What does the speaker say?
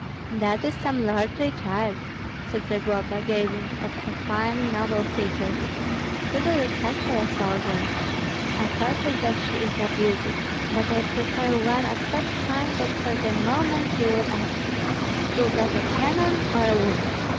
"That is some lordly child," said Zagloba, gazing at her fine, noble features, "too delicate for a soldier. I confess that she is a beauty, but I prefer one of such kind that for the moment you would ask, 'Is that a cannon or a woman?'"